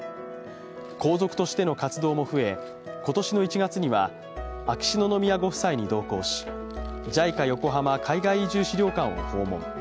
皇族としての活動も増え、今年の１月には秋篠宮ご夫妻に同行しＪＩＣＡ横浜海外移住資料館を訪問。